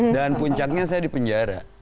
dan puncaknya saya di penjara